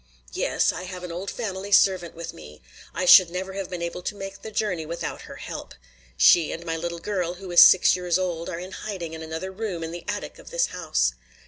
"Yes, I have an old family servant with me. I should never have been able to make the journey without her help. She and my little girl, who is six years old, are in hiding in another room in the attic of this house.